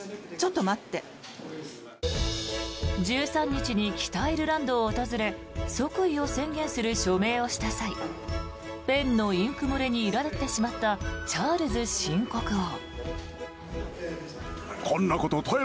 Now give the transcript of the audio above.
１３日に北アイルランドを訪れ即位を宣言する署名をした際ペンのインク漏れにいら立ってしまったチャールズ新国王。